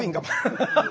アハハハ。